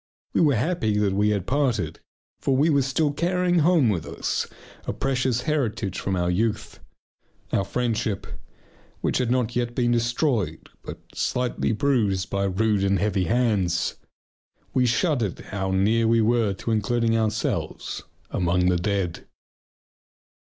We were happy that we had parted, for we were still carrying home with us a precious heritage from our youth: our friendship which had not yet been destroyed, but slightly bruised by rude and heavy hands. We shuddered how near we were to including ourselves among the dead.